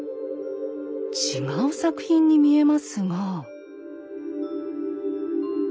違う作品に見えますが。